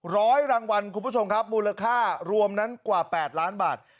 ร้อยรางวัลคุณผู้ชมครับมูลค่ารวมนั้นกว่าแปดล้านบาท